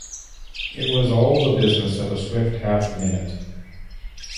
It was all the business of a swift half-minute.